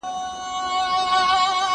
زه مخکي ليکنې کړي وو!!